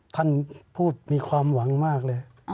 ท่านพูดมีความหวังมากเลย